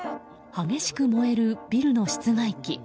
激しく燃えるビルの室外機。